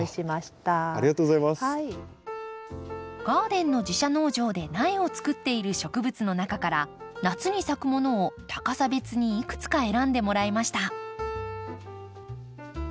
ガーデンの自社農場で苗をつくっている植物の中から夏に咲くものを高さ別にいくつか選んでもらいました。